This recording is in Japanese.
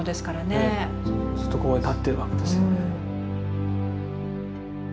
ずっとここに立ってるわけですよね。